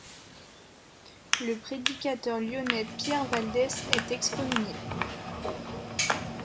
Le prédicateur lyonnais Pierre Valdès est excommunié.